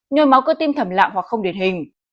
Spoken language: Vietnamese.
nhồi máu cơ tim thầm lặng hoặc không điển hình